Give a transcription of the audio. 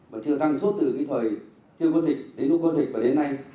và chưa tăng suốt từ cái thời chưa có dịch đến lúc có dịch và đến nay